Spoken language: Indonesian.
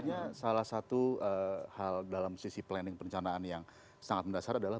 sebenarnya salah satu hal dalam sisi planning perencanaan yang sangat mendasar adalah